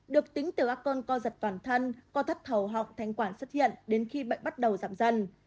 được tính từ các con co giật toàn thân co thất thầu hoặc thanh quản xuất hiện đến khi bệnh bắt đầu giảm dần